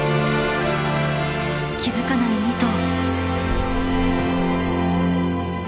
気付かない２頭。